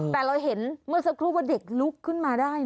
แต่เราเห็นเมื่อสักครู่ว่าเด็กลุกขึ้นมาได้นะ